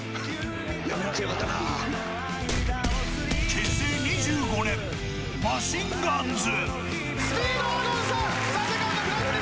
結成２５年、マシンガンズ。